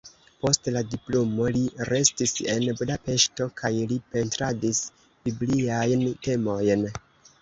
Post la diplomo li restis en Budapeŝto kaj li pentradis bibliajn temojn.